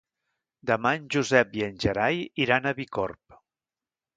Demà en Josep i en Gerai iran a Bicorb.